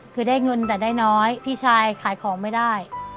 คือได้เงินแต่ได้น้อยพี่ชายขายของไม่ได้